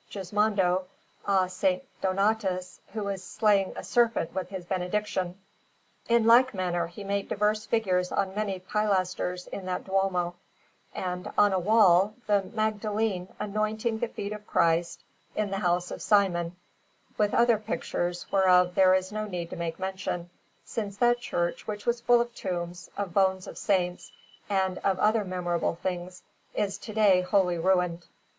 Gismondo, a S. Donatus who is slaying a serpent with his benediction. In like manner, he made diverse figures on many pilasters in that Duomo, and, on a wall, the Magdalene anointing the feet of Christ in the house of Simon; with other pictures, whereof there is no need to make mention, since that church, which was full of tombs, of bones of saints, and of other memorable things, is to day wholly ruined.